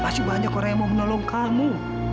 masih banyak orang yang mau menolong kamu